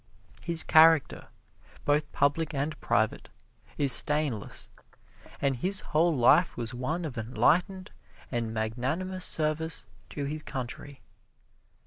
His character, both public and private, is stainless, and his whole life was one of enlightened and magnanimous service to his country.